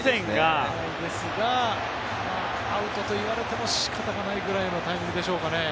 見えないですがアウトといわれても仕方がないぐらいのタイミングでしょうか。